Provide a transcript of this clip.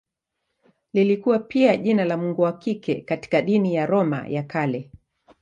Lilikuwa pia jina la mungu wa kike katika dini ya Roma ya Kale.